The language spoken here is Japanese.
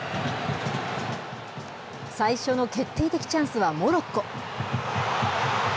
最初の決定的チャンスはモロッコ。